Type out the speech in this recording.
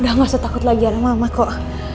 udah gak usah takut lagi sama mama kok